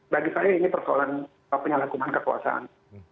bagi saya ini persoalan penyalahgunaan kekuasaan